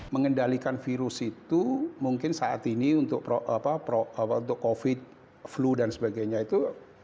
mengendalikan virus itu mungkin saat ini untuk covid flu dan sebagainya itu